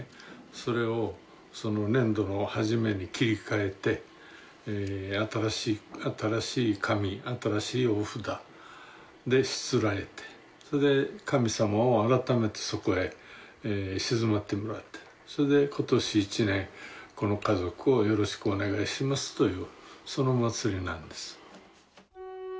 それを年度の初めに切り替えて新しい紙新しいお札でしつらえてそれで神様を改めてそこへ鎮まってもらってそれで今年一年この家族をよろしくお願いしますというそのお祭りなんです。